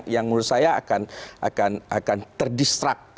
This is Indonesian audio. yang menurut saya akan terdistruct